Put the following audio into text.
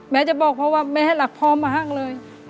แม้จะบอกเพราะว่าแม่แหละ